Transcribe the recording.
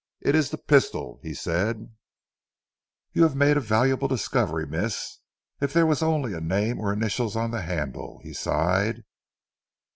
"It is the pistol," he said, "you have made a valuable discovery Miss. If there was only a name or initials on the handle," he sighed.